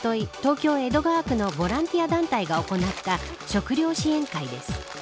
東京・江戸川区のボランティア団体が行った食料支援会です。